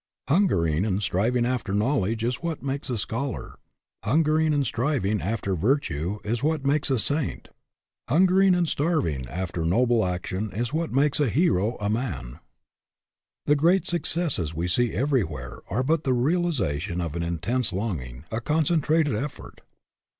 Hungering and striving after knowledge is what makes a scholar ; hungering and striving after virtue is what makes a saint ; hungering and striving after noble action is what makes a hero and a man. The great successes we see everywhere are but the realization of an intense longing, a concentrated effort.